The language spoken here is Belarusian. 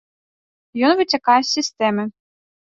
Ён выцякае з сістэмы.